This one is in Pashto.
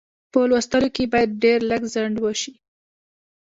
په لوستلو کې یې باید ډېر لږ ځنډ وشي.